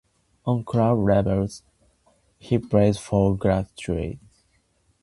On club level he plays for Galatasaray.